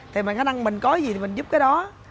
thì mà khả năng mình có gì thì mình giúp cái đó